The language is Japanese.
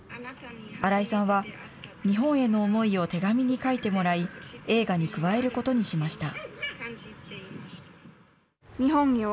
新井さんは日本への思いを手紙に書いてもらい、映画に加えることにしました。